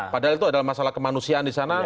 padahal itu adalah masalah kemanusiaan di sana